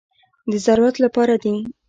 د ضرورت لپاره دي.